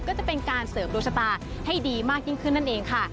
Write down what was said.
จะเป็นการเสริมดวงชะตาให้ดีมากยิ่งขึ้นนั่นเองค่ะ